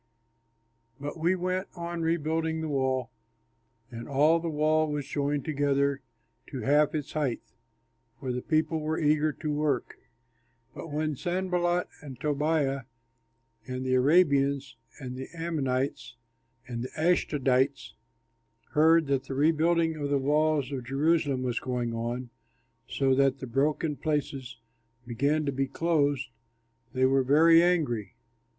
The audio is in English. But we went on rebuilding the wall; and all the wall was joined together to half its height, for the people were eager to work. But when Sanballat and Tobiah and the Arabians and the Ammonites and the Ashdodites heard that the rebuilding of the walls of Jerusalem was going on, so that the broken places began to be closed, they were very angry.